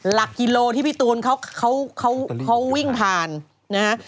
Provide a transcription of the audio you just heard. หลักกิโลที่พี่ตูนเขาวิ่งผ่านนะฮะ